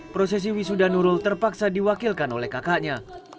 prosesi wisuda nurul terpaksa diwakilkan oleh kakaknya